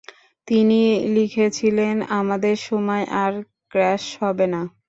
তিনি লিখেছিলেন, "আমাদের সময় আর ক্র্যাশ হবে না।